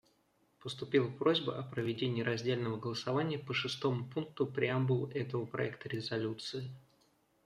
Поступила просьба о проведении раздельного голосования по шестому пункту преамбулы этого проекта резолюции.